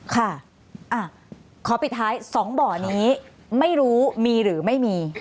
ค่ะขอปิดท้าย๒บ่อนี้ไม่รู้มีหรือไม่มี